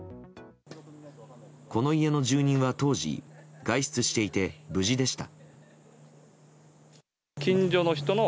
この家の住人は当時外出していて無事でした。